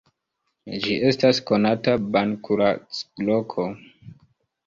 Ĝi estas konata ban-kuracloko.